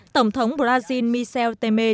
tổng thống brazil michel temer